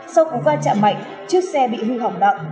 sau cú va chạm mạnh chiếc xe bị hư hỏng nặng